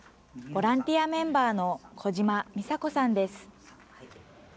ボランティアメンバーの児島みさ子さんです。